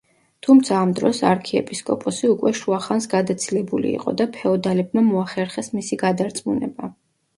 თუმცა, ამ დროს არქიეპისკოპოსი უკვე შუა ხანს გადაცილებული იყო და ფეოდალებმა მოახერხეს მისი გადარწმუნება.